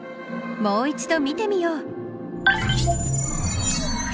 もう一度見てみよう。